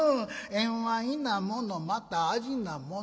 縁は異なものまた味なもの。